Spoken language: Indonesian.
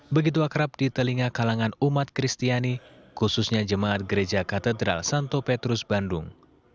begitu akrab di telinga kalangan umat kristiani khususnya jemaat gereja katedral santo petrus bandung